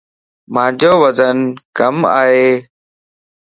مانجو وزن ڪم ائي.